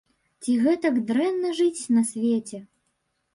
Ці гэтак дрэнна жыць на свеце?